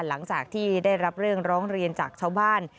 หลังจากที่ได้รับเรื่องร้องเรียนจากชาวบ้าน